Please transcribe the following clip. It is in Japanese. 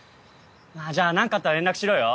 まあじゃあ何かあったら連絡しろよ。